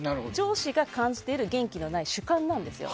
上司が感じている元気がない主観なんですよ。